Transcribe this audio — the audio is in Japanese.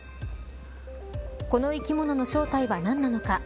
この生き物の正体は何なのか。